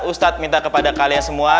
ustadz minta kepada kalian semua